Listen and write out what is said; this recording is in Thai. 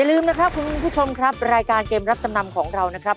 ลืมนะครับคุณผู้ชมครับรายการเกมรับจำนำของเรานะครับ